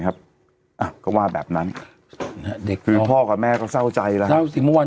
ครับก็ว่าแบบนั้นได้พ่อกับแม่ก็เศร้าใจแล้วสิที่มันว่า